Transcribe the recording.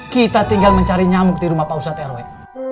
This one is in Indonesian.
kita tinggal mencari nyamuk di rumah pak ustadz rw